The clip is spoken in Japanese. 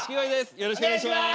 よろしくお願いします。